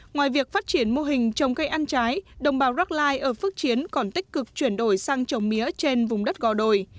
ngoài việc phát triển mô hình trồng cây ăn trái đồng bào racklai ở phước chiến còn tích cực chuyển đổi sang trồng mía trên vùng đất gò đồi